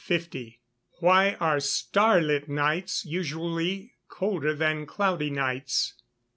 _Why are star lit nights usually colder than cloudy nights?